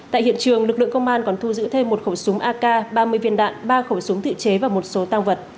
tại hiện trường lực lượng công an còn thu giữ thêm một khẩu súng ak ba mươi viên đạn ba khẩu súng tự chế và một số tăng vật